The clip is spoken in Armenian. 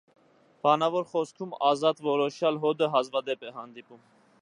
Բանավոր խոսքում ազատ որոշյալ հոդը հազվադեպ է հանդիպում։